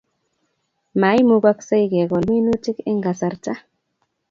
Maimukoksei kekol minutik eng kasarta